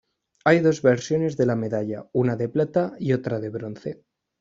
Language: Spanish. Hay dos versiones de la medalla una de plata y otra de bronce.